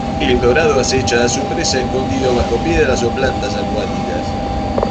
El dorado acecha a su presa escondido bajo piedras o plantas acuáticas.